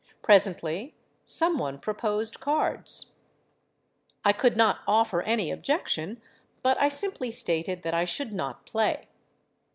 Presently some one proposed cards: I could not offer any objection; but I simply stated that I should not play.